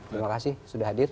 terima kasih sudah hadir